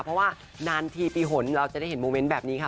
เพราะว่านานทีปีหนเราจะได้เห็นโมเมนต์แบบนี้ค่ะ